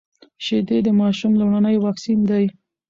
شيدې د ماشوم لومړنی واکسين دی.